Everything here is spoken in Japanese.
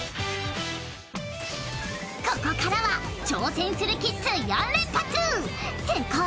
ここからは挑戦するキッズ４連発成功？